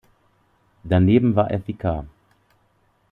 Daneben war er Vikar.